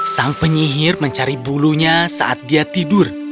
sang penyihir mencari bulunya saat dia tidur